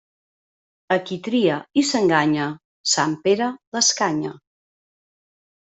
A qui tria i s'enganya, sant Pere l'escanya.